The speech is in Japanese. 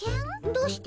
どうして？